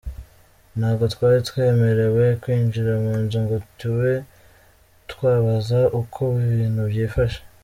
Ntago twari twemerewe kwinjira munzu ngo tube twabaza uko ibintu byifashe!